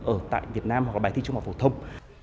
ở tại việt nam hoặc là bài thi trung học phổ thông